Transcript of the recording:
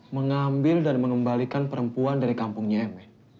mengambil dan mengembalikan perempuan dari kampungnya mn